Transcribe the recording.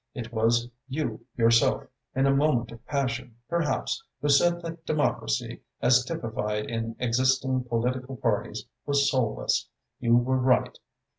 It was you yourself, in a moment of passion, perhaps, who said that democracy, as typified in existing political parties, was soulless. You were right.